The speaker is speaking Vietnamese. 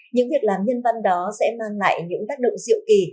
những việc làm nhân văn đó sẽ mang lại những tác động diệu kỳ